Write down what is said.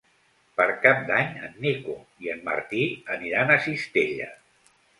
Per Cap d'Any en Nico i en Martí aniran a Cistella.